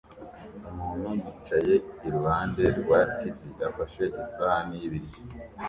Umuntu yicaye iruhande rwa TV afashe isahani y'ibiryo